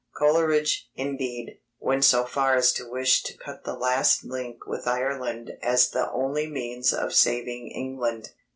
Coleridge, indeed, went so far as to wish to cut the last link with Ireland as the only means of saving England.